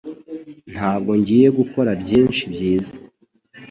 Ntabwo ngiye gukora byinshi byiza